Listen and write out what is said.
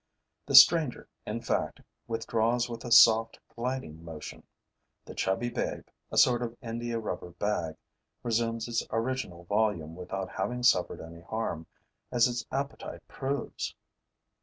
The stranger, in fact, withdraws with a soft, gliding motion. The chubby babe, a sort of India rubber bag, resumes its original volume without having suffered any harm, as its appetite proves.